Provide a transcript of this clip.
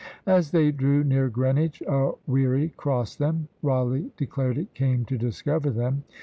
As they drew near Greenwich a wherry crossed them. Rawleigh declared it came to discover them.